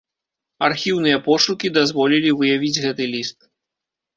Архіўныя пошукі дазволілі выявіць гэты ліст.